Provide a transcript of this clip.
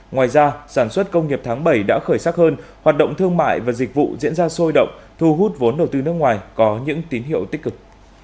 ngoài ra sản xuất công nghiệp tháng bảy đã khởi sắc hơn hoạt động thương mại và dịch vụ diễn ra sôi động thu hút vốn đầu tư nước ngoài có những tín hiệu tích cực